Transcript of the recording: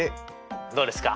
どうですか？